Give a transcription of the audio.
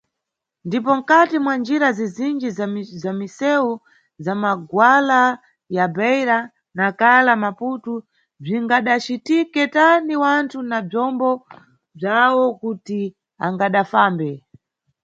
Ndipo mkati mwa njira zizinji za miseu za magwala ya Beira, Nacala na Maputo, bzingadacitike tani wanthu na bzombo bzawo kodi angadafambe?